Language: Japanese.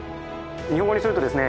日本語にするとですね